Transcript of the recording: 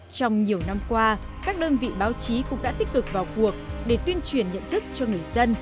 trong nhiều năm qua các đơn vị báo chí cũng đã tích cực vào cuộc để tuyên truyền nhận thức cho người dân